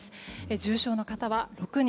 重症の方は６人。